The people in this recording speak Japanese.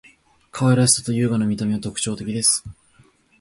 可愛らしさと優雅な見た目は特徴的です．